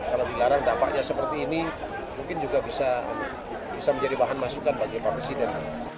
kalau dilarang dampaknya seperti ini mungkin juga bisa menjadi bahan masukan bagi pak presiden